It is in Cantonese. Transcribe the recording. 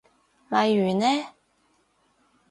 例如呢？